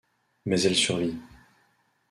Mais elle survit.